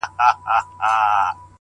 نو دغه نوري شپې بيا څه وكړمه,